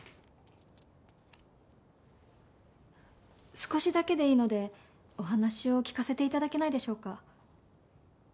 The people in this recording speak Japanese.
少しだけでいいのでお話を聞かせて頂けないでしょうか？